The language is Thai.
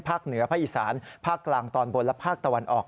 เหนือภาคอีสานภาคกลางตอนบนและภาคตะวันออก